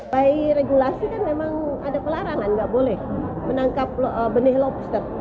by regulasi kan memang ada pelarangan nggak boleh menangkap benih lobster